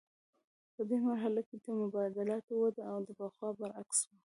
په دې مرحله کې د مبادلاتو وده د پخوا برعکس وه